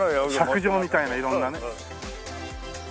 錫杖みたいな色んなね。